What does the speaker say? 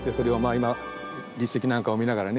今立石なんかを見ながらね